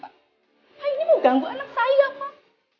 pak ini mau ganggu anak saya pak